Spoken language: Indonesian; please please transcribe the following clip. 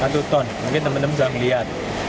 satu ton mungkin teman teman sudah melihat